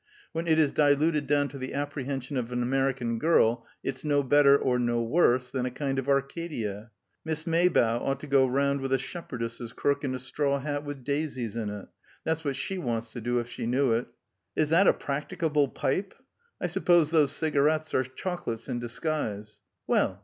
When it is diluted down to the apprehension of an American girl it's no better, or no worse, than a kind of Arcadia. Miss Maybough ought to go round with a shepherdess's crook and a straw hat with daisies in it. That's what she wants to do, if she knew it. Is that a practicable pipe? I suppose those cigarettes are chocolates in disguise. Well!"